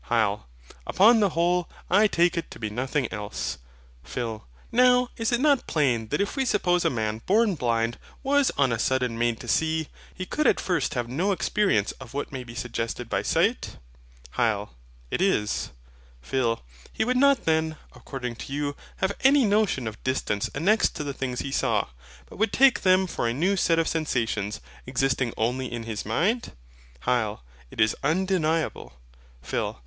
HYL. Upon the whole, I take it to be nothing else. PHIL. Now, is it not plain that if we suppose a man born blind was on a sudden made to see, he could at first have no experience of what may be SUGGESTED by sight? HYL. It is. PHIL. He would not then, according to you, have any notion of distance annexed to the things he saw; but would take them for a new set of sensations, existing only in his mind? HYL. It is undeniable. PHIL.